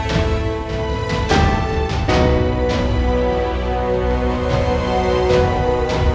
inilah akhir riwayat dari anak